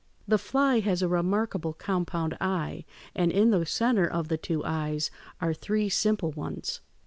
The fly has a remarkable compound eye (Fig. 156), and in the center of the two eyes are three simple ones.